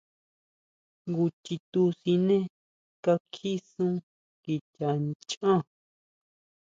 Jngu chitu siné kakji sún kicha nhán.